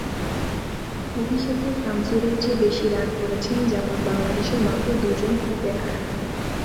অভিষেকে শামসুরের চেয়ে বেশি রান করেছেন যেমন বাংলাদেশের মাত্র দুজন ওপেনার।